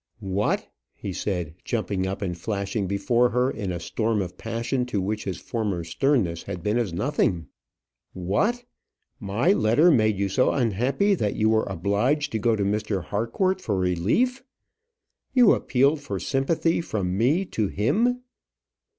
"What!" he said, jumping up and flashing before her in a storm of passion to which his former sternness had been as nothing "what! my letter made you so unhappy that you were obliged to go to Mr. Harcourt for relief! You appealed for sympathy from me to him!